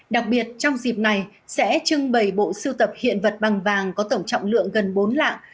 đặc biệt trong dịp này sẽ trưng bày bộ siêu tập hiện vật bằng vàng có tổng trọng lượng gần bốn lạng